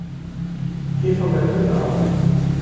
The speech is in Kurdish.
Kêfa me pir dihat